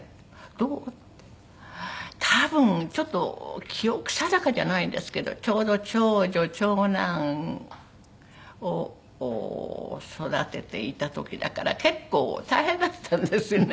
多分ちょっと記憶定かじゃないんですけどちょうど長女長男を育てていた時だから結構大変だったんですよね